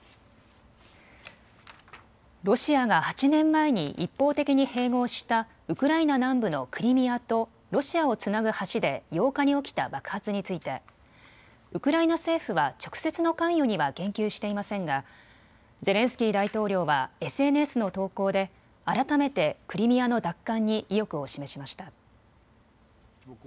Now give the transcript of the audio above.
ロシアが８年前に一方的に併合したウクライナ南部のクリミアとロシアをつなぐ橋で８日に起きた爆発についてウクライナ政府は直接の関与には言及していませんがゼレンスキー大統領はＳＮＳの投稿で改めてクリミアの奪還に意欲を示しました。